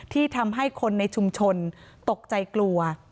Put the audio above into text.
ที่ทำให้คนในชุมชนตกใจกลัว